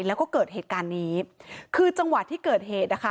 แล้วก็เกิดเหตุการณ์นี้คือจังหวะที่เกิดเหตุนะคะ